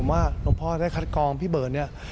ว่าหลวงพ่อได้คัดกองพี่เบิร์ตเนี่ย